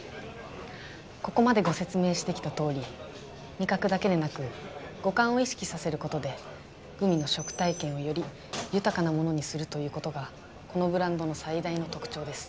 ここまでご説明してきたとおり味覚だけでなく五感を意識させることでグミの食体験をより豊かなものにするということがこのブランドの最大の特徴です。